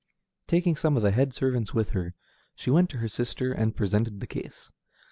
Taking some of the head servants with her, she went to her sister and presented the case.